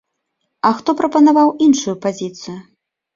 А хто прапанаваў іншую пазіцыю?